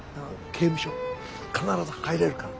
刑務所必ず入れるから。